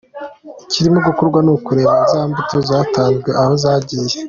Ikirimo gukorwa ni ukureba za mbuto zatanzwe aho zagiye.